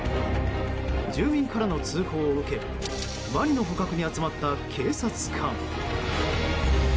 住民からの通報を受けワニの捕獲に集まった警察官。